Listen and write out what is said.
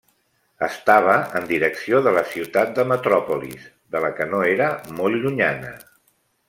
Estava en direcció de la ciutat de Metròpolis, de la que no era molt llunyana.